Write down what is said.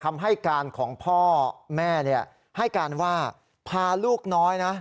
คำให้การของพ่อแม่ให้การว่าพาลูกน้อยนะ